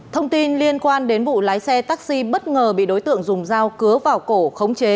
thông tin liên quan đến vụ lái xe taxi bất ngờ bị đối tượng dùng dao cứa vào cổ khống chế